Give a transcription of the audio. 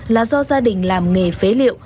là do gia đình làm nghề phế liệu